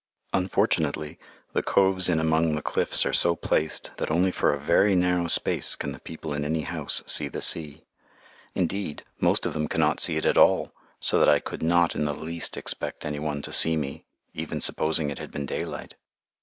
Unfortunately, the coves in among the cliffs are so placed that only for a very narrow space can the people in any house see the sea. Indeed, most of them cannot see it at all, so that I could not in the least expect any one to see me, even supposing it had been daylight.